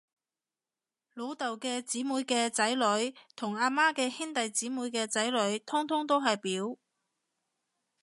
老豆嘅姐妹嘅仔女，同阿媽嘅兄弟姐妹嘅仔女，通通都係表